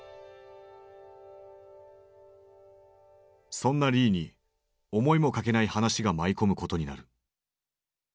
そんなリーに思いもかけない話が舞い込むことになる。